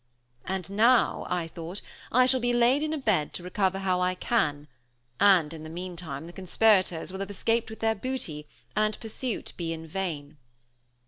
And now, I thought, I shall be laid in a bed to recover how I can, and, in the meantime, the conspirators will have escaped with their booty, and pursuit be in vain.